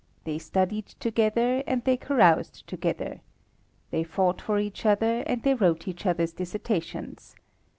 They studied together and they caroused together. They fought for each other, and they wrote each other's dissertations.